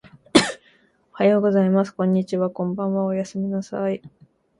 おはようございます。こんにちは。こんばんは。おやすみなさい。